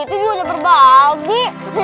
itu juga berbagi